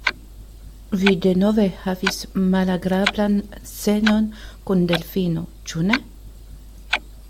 Vi denove havis malagrablan scenon kun Delfino; ĉu ne?